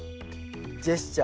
ジェスチャー。